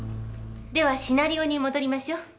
ではシナリオに戻りましょう。